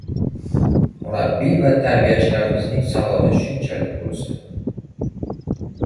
Murabbiy va tarbiyachilarimizning savodi shunchalik boʻlsa...